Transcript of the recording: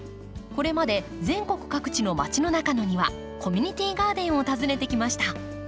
これまで全国各地のまちの中のニワコミュニティーガーデンを訪ねてきました。